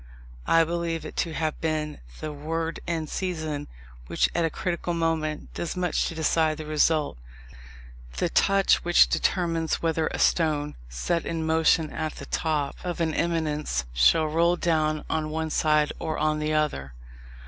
I believe it to have been the word in season, which, at a critical moment, does much to decide the result; the touch which determines whether a stone, set in motion at the top of an eminence, shall roll down on one side or on the other.